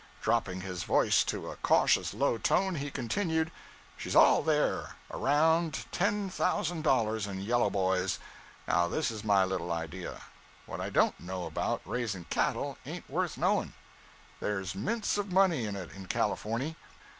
Dropping his voice to a cautious low tone, he continued, 'She's all there a round ten thousand dollars in yellow boys; now this is my little idea: What I don't know about raising cattle, ain't worth knowing. There's mints of money in it, in Californy.